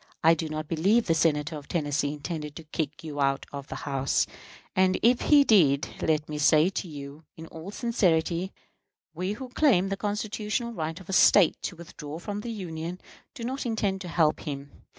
I do not believe the Senator from Tennessee intended to kick you out of the House; and, if he did, let me say to you, in all sincerity, we who claim the constitutional right of a State to withdraw from the Union do not intend to help him.